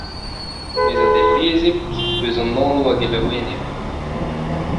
Bezañ dellezek eus an anv a gelaouenner.